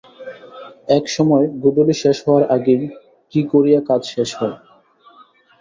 একসময় গোধূলি শেষ হওয়ার আগেই, কী করিয়া কাজ শেষ হয়।